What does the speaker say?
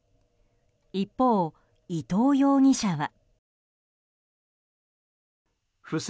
一方、伊藤容疑者は。